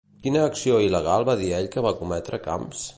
Quina acció il·legal va dir ell que va cometre Camps?